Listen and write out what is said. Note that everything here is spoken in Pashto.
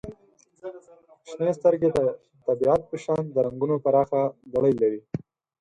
• شنې سترګې د طبیعت په شان د رنګونو پراخه لړۍ لري.